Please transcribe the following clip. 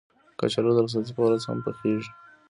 کچالو د رخصتۍ په ورځ هم پخېږي